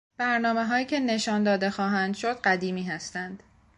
برنامههایی که نشان داده خواهند شد قدیمی هستند.